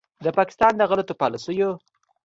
د پاکستان د غلطو پالیسیو